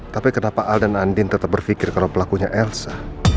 tapi kenapa al dan andin tetap berpikir kalau pelakunya elsa